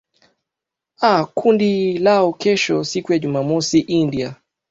aa kundi lao kesho siku jumamosi india